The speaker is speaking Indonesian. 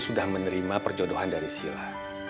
sudah menerima perjodohan dari sila